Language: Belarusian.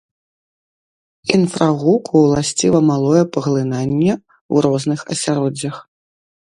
Інфрагуку ўласціва малое паглынанне ў розных асяроддзях.